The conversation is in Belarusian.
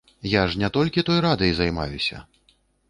Я ж не толькі той радай займаюся!